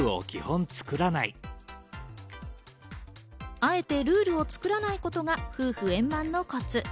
あえてルールを作らないことが夫婦円満のコツ。